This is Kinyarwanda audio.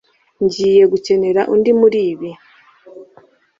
Ngiye gukenera undi muribi